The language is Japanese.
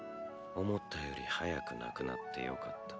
思ったより早く亡くなってよかった。